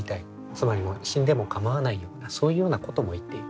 つまり死んでも構わないようなそういうようなことも言っていた。